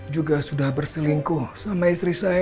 juga sudah berselingkuh sama istri saya